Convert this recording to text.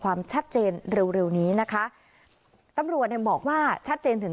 ความชัดเจนเร็วเร็วนี้นะคะตำรวจเนี่ยบอกว่าชัดเจนถึง